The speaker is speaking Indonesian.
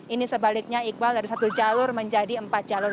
ini sebaliknya iqbal dari satu jalur menjadi empat jalur